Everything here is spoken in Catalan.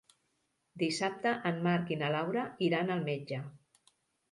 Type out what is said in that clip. Dissabte en Marc i na Laura iran al metge.